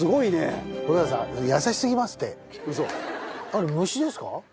あれ虫ですか？